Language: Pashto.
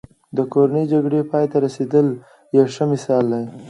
د کورنۍ جګړې پای ته رسېدل یې ښه مثال دی.